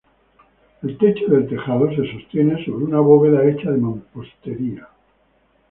El techo del tejado se sostiene sobre una bóveda hecha de mampostería.